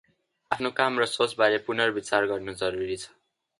आफ्नो काम र सोचबारे पुनर्विचार गर्नु जरुरी छ ।